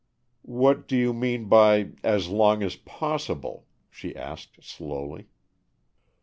"What do you mean by as long as possible?" she asked, slowly.